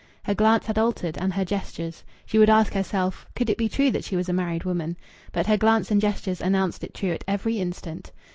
Her glance had altered, and her gestures. She would ask herself, could it be true that she was a married woman? But her glance and gestures announced it true at every instant.